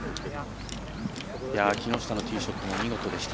木下のティーショットも見事でした。